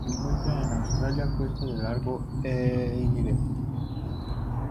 Se encuentra en Australia: cuenca del lago Eyre.